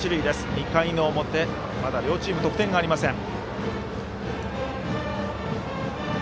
２回の表、まだ両チーム得点がありません。